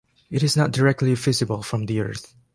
It is not directly visible from the Earth.